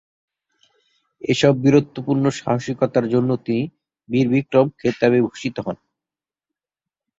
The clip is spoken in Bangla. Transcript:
এসব বীরত্বপূর্ণ সাহসিকতার জন্যে তিনি ‘বীর বিক্রম’ খেতাবে ভূষিত হন।